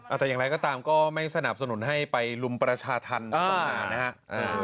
อาจจะอย่างไรก็ตามก็ไม่สนับสนุนให้ไปรุมประชาธารณ์ประมาณนี้ครับ